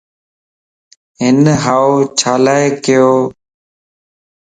ھن ھاو ڇيلا ڪيو؟